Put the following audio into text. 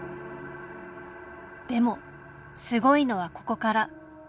でもすごいのはここから。